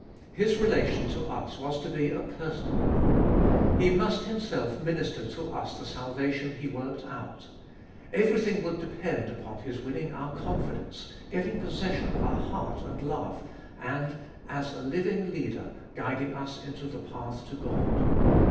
His relation to us was to be a personal one. He must Himself minister to us the salvation He worked out. Everything would depend upon His winning our confidence, getting possession of our heart and love, and as a living Leader guiding us into the path to God.